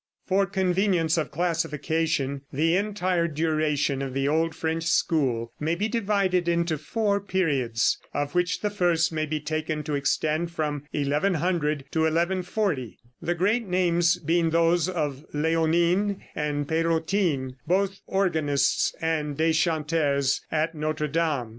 For convenience of classification the entire duration of the old French school may be divided into four periods, of which the first may be taken to extend from 1100 to 1140, the great names being those of Léonin and Pérotin, both organists and deschanteurs at Notre Dame.